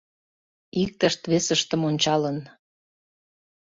Иктышт-весыштым ончалын